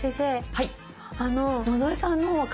はい。